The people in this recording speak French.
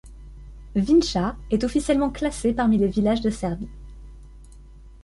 Vinča est officiellement classée parmi les villages de Serbie.